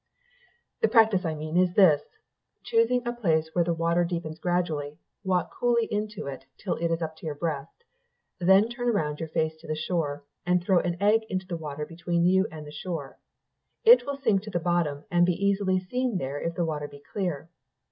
The practice I mean is this: choosing a place where the water deepens gradually, walk coolly into it till it is up to your breast; then turn round your face to the shore, and throw an egg into the water between you and the shore; it will sink to the bottom and be easily seen there if the water be clear.